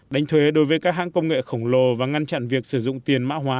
đánh thuế đối với các hãng công nghệ khổng lồ và ngăn chặn việc sử dụng tiền mã hóa